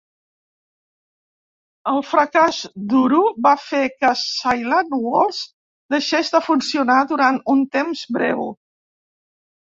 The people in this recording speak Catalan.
El fracàs d'Uru va fer que Cyan Worlds deixés de funcionar durant un temps breu.